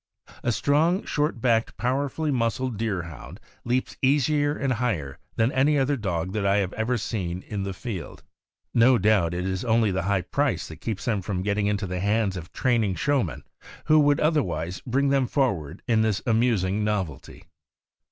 A strong, short backed, powerfully muscled Deer hound leaps easier and higher than any other dog that I have ever seen in the field. No doubt it is only the high price that keeps them from getting into the hands of training showmen, who would otherwise bring them for ward in this amusing novelty.